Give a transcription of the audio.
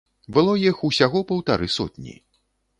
Было іх усяго паўтары сотні.